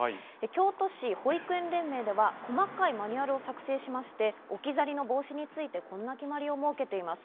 京都市保育園連盟では細かいマニュアルを作成しまして、置き去り防止についてこんな決まりを設けています。